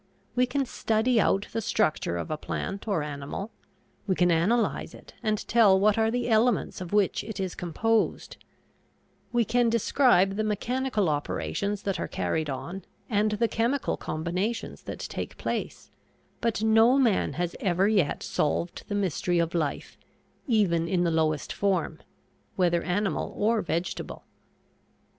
We can study out the structure of a plant or animal; we can analyze it and tell what are the elements of which it is composed; we can describe the mechanical operations that are carried on and the chemical combinations that take place, but no man has ever yet solved the mystery of life, even in the lowest form whether animal or vegetable.